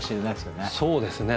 そうですね。